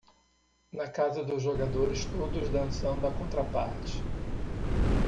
Na casa dos jogadores todos dançando a contraparte.